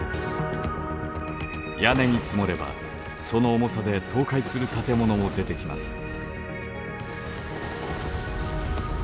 屋根に積もればその重さで倒壊する建物も出てきます。